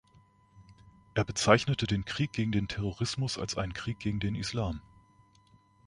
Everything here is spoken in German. Er bezeichnete den Krieg gegen den Terrorismus als einen Krieg gegen den Islam.